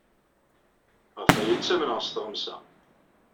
Ɣef waya ay ttamneɣ s Tɣemsa.